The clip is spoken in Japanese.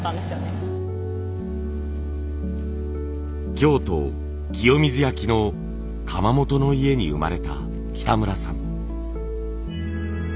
京都・清水焼の窯元の家に生まれた北村さん。